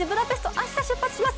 明日、出発します。